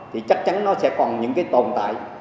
thì chắc chắn nó sẽ còn những tồn tại